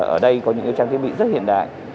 ở đây có những trang thiết bị rất hiện đại